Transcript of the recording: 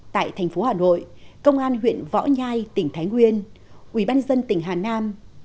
tại tp hà nội công an huyện võ nhai tỉnh thái nguyên ubnd tỉnh hà nam